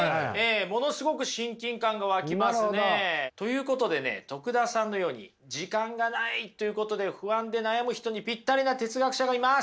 ものすごく親近感が湧きますね。ということで徳田さんのように時間がないということで不安で悩む人にぴったりな哲学者がいます。